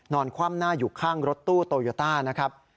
คว่ำหน้าอยู่ข้างรถตู้โตโยต้านะครับ